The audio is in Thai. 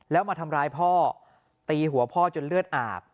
แล้วมาทำร้ายพ่อตีหัวพ่อจนเลือดอาบ